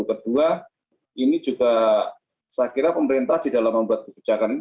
kedua ini juga saya kira pemerintah di dalam membuat kebijakan ini